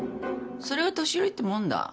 それが年寄りってもんだ。